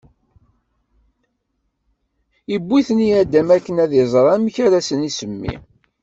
iwwi-ten i Adam akken ad iẓer amek ara sen-isemmi.